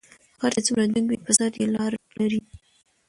غر چې څومره جګ وي په سر لار لري